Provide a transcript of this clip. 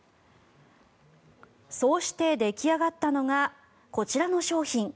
そうして出来上がったのがこちらの商品。